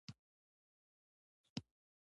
ښه اخلاق د مسلمان نښه ده